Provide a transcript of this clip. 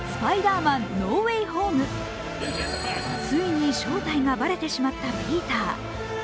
ついに正体がバレてしまったピーター。